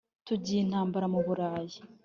tugize intambara mu bulayi